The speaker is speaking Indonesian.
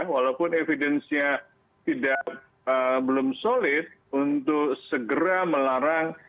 walaupun evidensinya belum solid untuk segera melarang